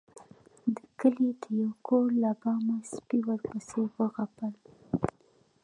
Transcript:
د کلي د يو کور له بامه سپي ورپسې وغپل.